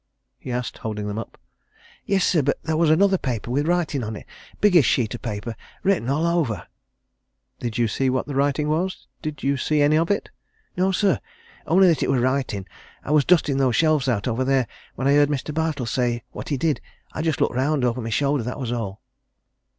he asked, holding them up. "Yes, sir, but there was another paper, with writing on it a biggish sheet of paper written all over." "Did you see what the writing was? Did you see any of it?" "No, sir only that it was writing, I was dusting those shelves out, over there; when I heard Mr. Bartle say what he did. I just looked round, over my shoulder that was all."